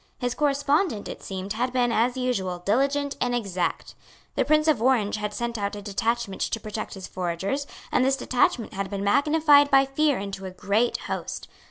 His correspondent, it seemed, had been, as usual, diligent and exact. The Prince of Orange had sent out a detachment to protect his foragers, and this detachment had been magnified by fear into a great host.